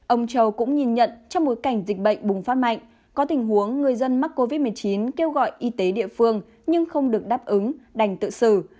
ông châu cũng nhìn nhận trong bối cảnh dịch bệnh bùng phát mạnh có tình huống người dân mắc covid một mươi chín kêu gọi y tế địa phương nhưng không được đáp ứng đành tự xử